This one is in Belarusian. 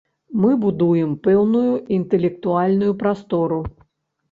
Мы будуем пэўную інтэлектуальную прастору.